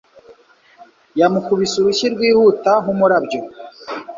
Yamukubise urushyi rwihuta nkumurabyo